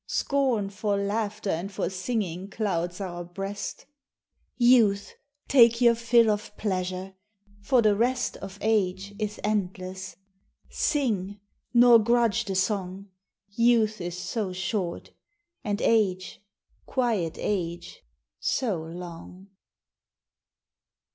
Scorn For laughter and for singing clouds our breast. Youth, take your fill of pleasure, for the rest Of Age is endless. Sing, nor grudge the song Youth is so short, and Age, quiet Age, so long!